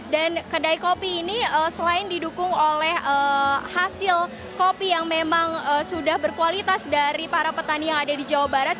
dan kedai kopi ini selain didukung oleh hasil kopi yang memang sudah berkualitas dari para petani yang ada di jawa barat